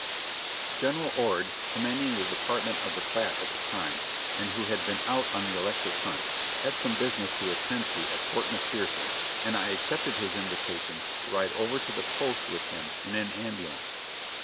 General Ord, commanding the Department of the Platte at the time, and who had been out on the Alexis hunt, had some business to attend to at Fort McPherson, and I accepted his invitation to ride over to the post with him in an ambulance.